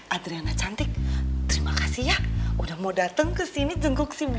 adriana cantik terima kasih ya udah mau dateng kesini jengguk sini ya